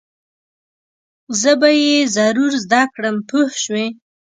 زه به یې ضرور زده کړم پوه شوې!.